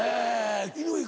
井上